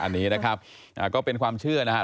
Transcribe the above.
อันนี้นะครับก็เป็นความเชื่อนะครับ